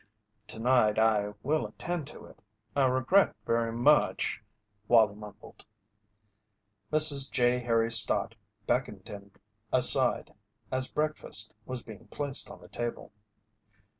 "To night I will attend to it. I regret very much " Wallie mumbled. Mrs. J. Harry Stott beckoned him aside as breakfast was being placed on the table.